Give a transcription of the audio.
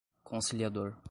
conciliador